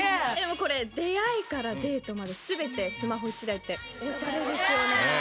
これ出会いからデートまで全てスマホ１台っておしゃれですよね。